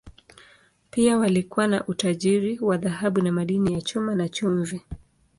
Pia walikuwa na utajiri wa dhahabu na madini ya chuma, na chumvi.